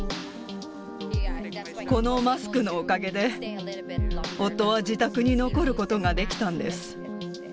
このマスクのおかげで、夫は自宅に残ることができたんです。